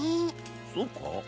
そうか？